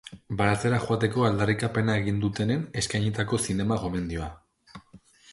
Baratzera joateko aldarrikapena egin dutenen eskainitako zinema-gomendioa.